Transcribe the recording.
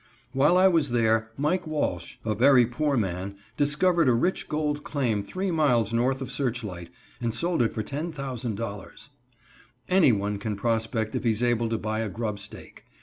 While I was there Mike Walsh, a very poor man, discovered a rich gold claim three miles north of Searchlight and sold it for $10,000. Any one can prospect if he's able to buy a grub stake.